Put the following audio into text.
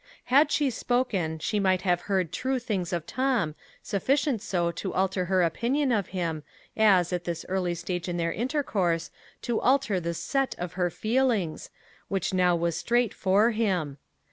Had she spoken, she might have heard true things of Tom, sufficient so to alter her opinion of him as, at this early stage of their intercourse, to alter the set of her feelings, which now was straight for him.